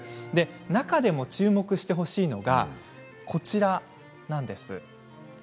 中でも注目してほしいのがこちらなんです。